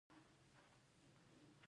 د حافظې د قوي کیدو لپاره بادام وخورئ